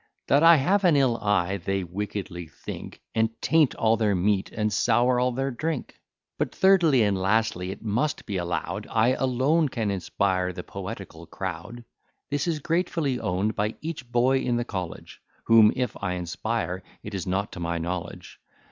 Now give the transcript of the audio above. That I have an ill eye, they wickedly think, And taint all their meat, and sour all their drink. But, thirdly and lastly, it must be allow'd, I alone can inspire the poetical crowd: This is gratefully own'd by each boy in the College, Whom, if I inspire, it is not to my knowledge.